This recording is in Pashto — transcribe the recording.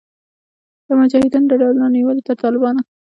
د مجاهدینو د ډلو نه نیولې تر طالبانو